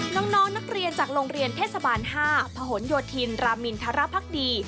น้องนักเรียนจากโรงเรียนเทศบาล๕พหนโยธินรามินทรภักดี